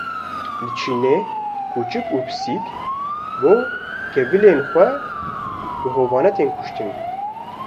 Li Çînê kûçik û pisîk, bo kevilên xwe bi hovane tên kuştin